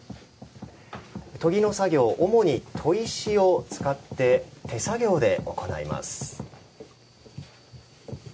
研ぎの作業、主に砥石を使って手作業で行います。